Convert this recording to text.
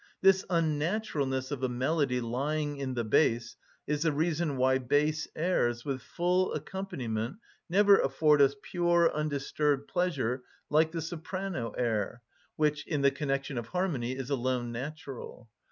This unnaturalness of a melody lying in the bass is the reason why bass airs, with full accompaniment, never afford us pure, undisturbed pleasure, like the soprano air, which, in the connection of harmony, is alone natural.